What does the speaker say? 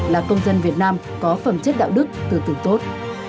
là công dân việt nam có phẩm chất đạo đức từ từ tốt